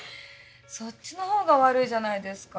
そっちのほうが悪いじゃないですか。